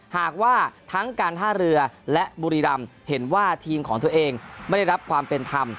หากว่าทั้งการท่าเรือและบุรีรำเห็นว่าทีมของตัวเองไม่ได้รับความเป็นธรรม